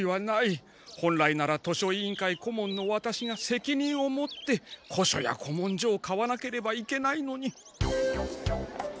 本来なら図書委員会顧問のワタシが責任を持って古書や古文書を買わなければいけないのに。